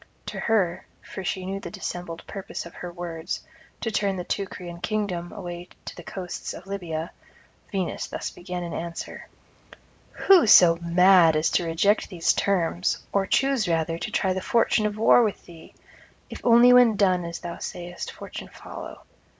To her for she knew the dissembled purpose of her words, to turn the Teucrian kingdom away to the coasts of Libya Venus thus began in answer: 'Who so mad as to reject these terms, or choose rather to try the fortune of war with thee? if only when done, as thou sayest, fortune follow.